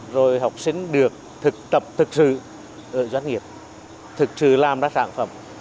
rồi học sinh được thực tập thực sự ở doanh nghiệp thực sự làm ra sản phẩm